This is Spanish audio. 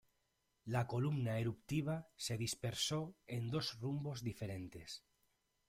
La columna eruptiva se dispersó en dos rumbos diferentes.